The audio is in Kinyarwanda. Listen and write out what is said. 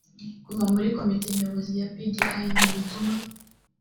kuva muri komite nyobozi ya pdi ntibituma